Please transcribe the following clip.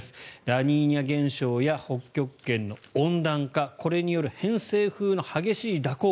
ラニーニャ現象や北極圏の温暖化これによる偏西風の激しい蛇行